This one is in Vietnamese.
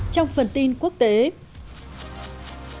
trong phần tin quốc tế